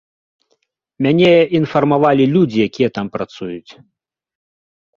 Мяне інфармавалі людзі, якія там працуюць.